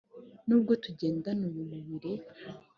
nubwo tugendana uyu mubiri